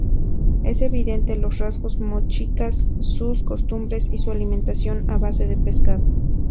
Es evidente los rasgos mochicas, sus costumbres y su alimentación a base de pescado.